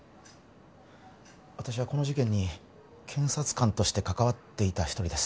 私はこの事件に検察官として関わっていた一人です